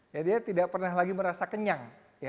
ya dia tidak pernah lagi merasa kenyang